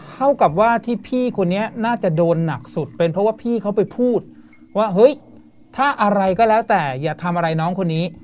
เท่ากับว่าที่พี่คนนี้น่าจะโดนหนักสุดเป็นเพราะว่าพี่เขาไปพูดว่าเฮ้ยถ้าอะไรก็แล้วแต่อย่าทำอะไรน้องคนนี้